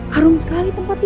harum sekali tempat ini